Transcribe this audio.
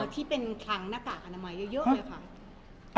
ที่เป็นคลังหน้ากากอนามัยเยอะเลยค่ะ